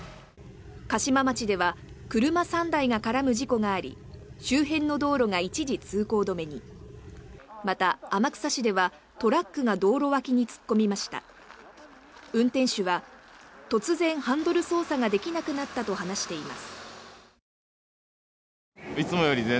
嘉島町では車３台が絡む事故があり周辺の道路が一時通行止めにまた天草市ではトラックが道路脇に突っ込みました運転手は突然ハンドル操作ができなくなったと話しています